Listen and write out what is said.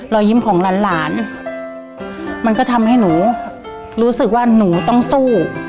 รอยยิ้มของหลานมันก็ทำให้หนูรู้สึกว่าหนูต้องสู้